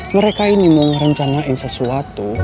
mereka ini mau merencanain sesuatu